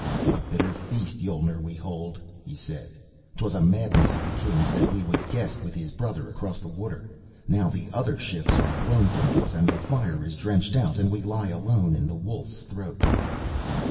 "A bitter feast Yolner we hold," he said. "'Twas a madness of the king's, that he would guest with his brother across the water. Now the other ships are blown from us and the fire is drenched out and we lie alone in the Wolf's Throat."